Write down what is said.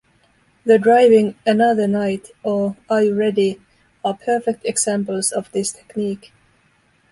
The driving "Another Night" or "Are You Ready" are perfect examples of this technique.